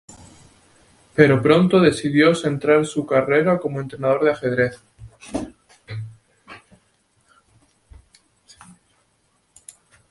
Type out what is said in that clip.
Pero pronto decidió centrar su carrera como entrenador de ajedrez.